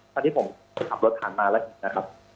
ตัวที่ผมขับรถทางมาละนะครับ